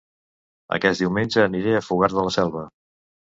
Aquest diumenge aniré a Fogars de la Selva